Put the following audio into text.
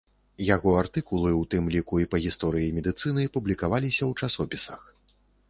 Яго артыкулы, у тым ліку і па гісторыі медыцыны, публікаваліся ў часопісах.